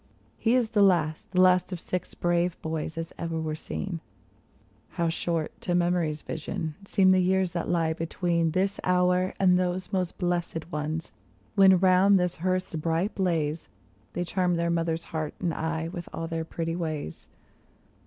He is the last — the last of six brave boys as e'er were seen ! How short, to memory's vision, seem the years that lie be tween This hour and those most blessed ones, when round this hearth's bright blaze They charmed their mother's heart and eye with all their pretty ways